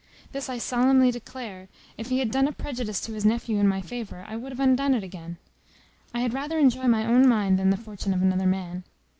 This I solemnly declare, if he had done a prejudice to his nephew in my favour, I would have undone it again. I had rather enjoy my own mind than the fortune of another man.